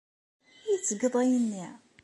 I tgeḍ ayenni?